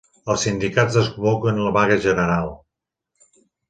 Els sindicats desconvoquen la vaga general